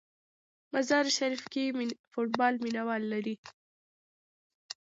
مزار شریف کې فوټبال مینه وال لري.